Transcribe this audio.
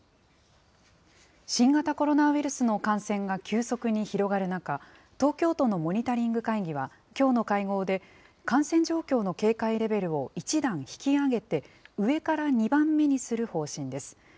新型コロナウイルスの感染が急速に広がる中、東京都のモニタリング会議は、きょうの会合で、感染状況の警戒レベルを１段引き上げて、上から２番目にする方針です。